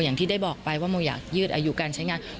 อย่างที่ได้บอกไปว่าโมอยากยืดอายุการใช้งาน